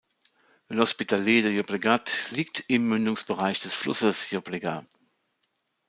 L’Hospitalet de Llobregat liegt im Mündungsbereich des Flusses Llobregat.